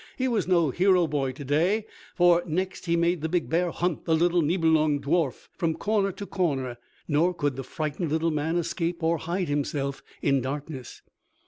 He was no hero boy to day, for next he made the big bear hunt the little Nibelung dwarf from corner to corner, nor could the frightened little man escape or hide himself in darkness.